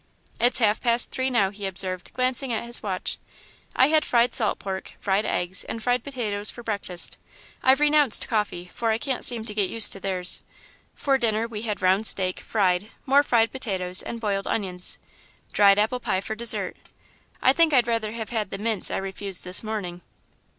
"It's half past three now," he observed, glancing at his watch. "I had fried salt pork, fried eggs, and fried potatoes for breakfast. I've renounced coffee, for I can't seem to get used to theirs. For dinner, we had round steak, fried, more fried potatoes, and boiled onions. Dried apple pie for dessert I think I'd rather have had the mince I refused this morning."